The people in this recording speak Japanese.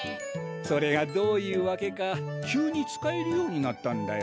それがどういうわけか急に使えるようになったんだよ。